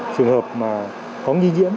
trường hợp mà có nghi nhiễm